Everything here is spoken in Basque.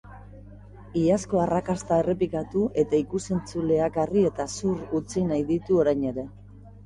Iazko arrakasta errepikatu eta ikus-entzuleak harri eta zur utzi nahi ditu orain ere.